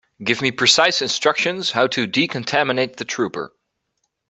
Give me precise instructions how to decontaminate the trooper.